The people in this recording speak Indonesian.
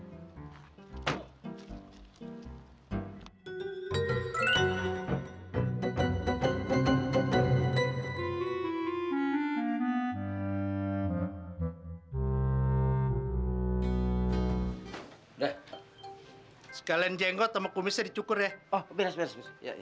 sudah sekalian jenggot sama kumisnya dicukur ya oh beres beres